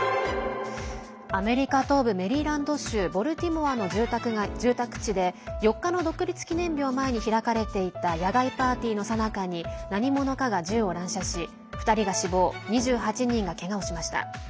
アメリカ東部メリーランド州ボルティモアの住宅地で４日の独立記念日を前に開かれていた野外パーティーのさなかに何者かが銃を乱射し２人が死亡２８人がけがをしました。